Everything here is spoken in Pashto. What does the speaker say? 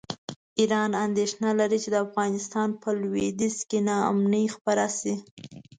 ایران اندېښنه لري چې د افغانستان په لویدیځ کې ناامني خپره شي.